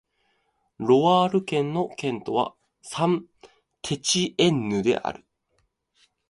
ロワール県の県都はサン＝テチエンヌである